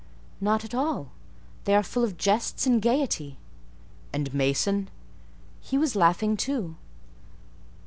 "Not at all: they are full of jests and gaiety." "And Mason?" "He was laughing too."